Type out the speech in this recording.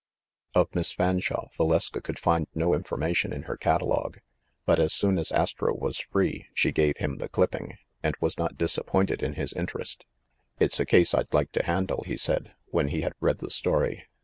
Of Miss Fanshawe, Valeska could find no informa tion in her catalogue. But as soon as Astro was free she gave him the clipping, and was not disappointed in his interest. "It's a case I'd like to handle," he said, when he had read the story.